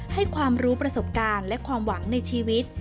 ให้ความรู้ประสบการณ์และความหวังในชีวิต